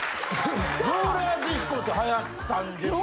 ローラーディスコって流行ったんですけど。